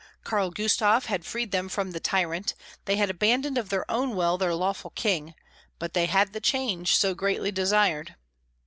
Karl Gustav had freed them from the tyrant, they had abandoned of their own will their lawful king; but they had the change so greatly desired.